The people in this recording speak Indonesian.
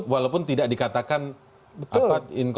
walaupun tidak dikatakan apa apa inkonstitusional ya